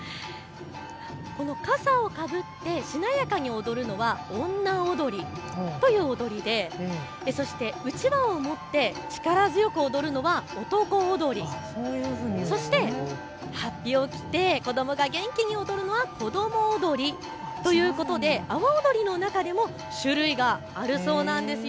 このかさをかぶってしなやかに踊るのは女踊りという踊りでうちわを持って力強く踊るのは男踊り、そして、はっぴを着て子どもが元気に踊るのは子ども踊りということで阿波踊りの中でも種類があるそうなんです。